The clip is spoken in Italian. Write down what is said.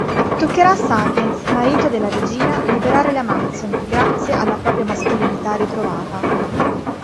Toccherà a Sapiens, marito della regina, liberare le amazzoni, grazie alla propria mascolinità ritrovata.